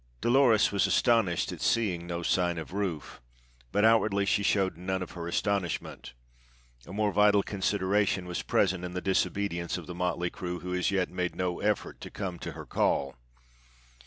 Dolores was astonished at seeing no sign of Rufe, but outwardly she showed none of her astonishment. A more vital consideration was present in the disobedience of the motley crew who as yet made no effort to come to her call.